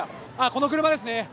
この車ですね。